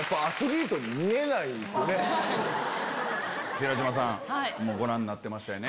寺島さんご覧になりましたよね。